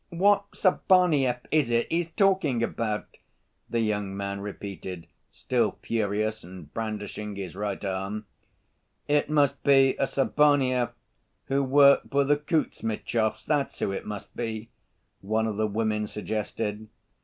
"What Sabaneyev is it he's talking about?" the young man repeated, still furious and brandishing his right arm. "It must be a Sabaneyev who worked for the Kuzmitchovs, that's who it must be," one of the women suggested.